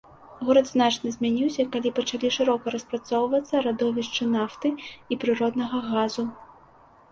Горад значна змяніўся калі пачалі шырока распрацоўвацца радовішчы нафты і прыроднага газу.